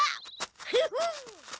フフッ！